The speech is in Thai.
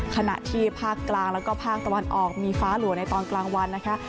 ขณะที่ภาคกลางแล้วก็ภาคตะวันออกมีฟ้าหลัวในตอนกลางวันนะคะ